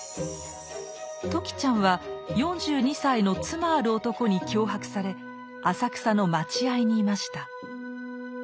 時ちゃんは４２歳の妻ある男に脅迫され浅草の待合にいました。